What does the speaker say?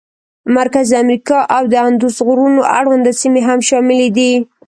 مرکزي امریکا او د اندوس غرونو اړونده سیمې هم شاملې دي.